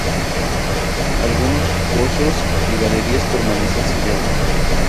Algunos pozos y galerías permanecen sellados.